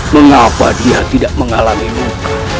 mengapa dia tidak mengalami muka